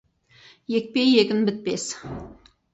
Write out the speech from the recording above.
Екпей егін бітпес.